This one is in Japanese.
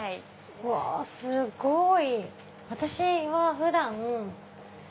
うわすごい！